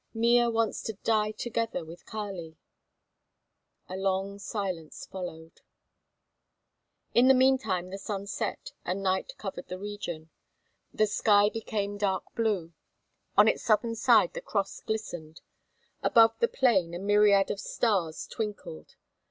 "Mea wants to die together with Kali." A long silence followed. In the meantime the sun set and night covered the region. The sky became dark blue. On its southern side the Cross glistened. Above the plain a myriad of stars twinkled.